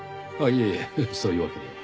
いえそういうわけでは。